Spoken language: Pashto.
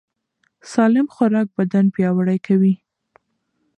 سالم خوراک بدن پیاوړی کوي.